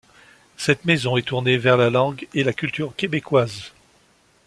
Cette maison est tournée vers la langue et la culture québécoise.